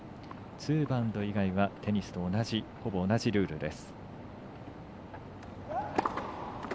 ツーバウンド以外はテニスとほぼ同じルールです。